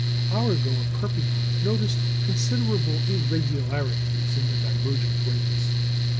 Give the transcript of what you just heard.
Arago at Perpignan noticed considerable irregularities in the divergent rays.